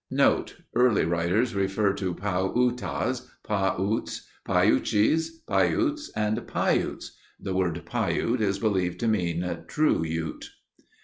Note. Early writers refer to Pau Eutahs, Pah Utes, Paiuches, Pyutes, and Paiutes. The word Piute is believed to mean true Ute.